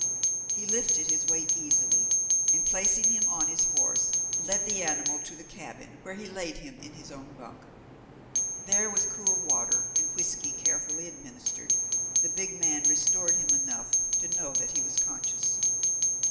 He lifted his weight easily, and placing him on his horse, led the animal to the cabin where he laid him in his own bunk. There, with cool water, and whisky carefully administered, the big man restored him enough to know that he was conscious.